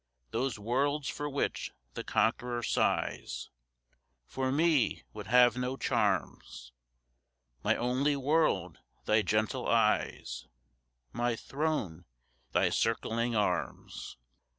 Those worlds for which the conqueror sighs For me would have no charms; My only world thy gentle eyes My throne thy circling arms!